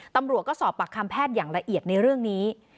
ตำรวจก็สอบปากคำแพทย์อย่างละเอียดในเรื่องนี้